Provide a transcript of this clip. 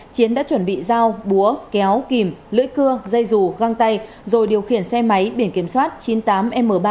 chiến đã chuẩn bị dao búa kéo kìm lưỡi cưa dây rù găng tay rồi điều khiển xe máy biển kiểm soát chín mươi tám m ba mươi nghìn ba trăm linh năm